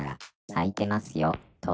開いてますよ！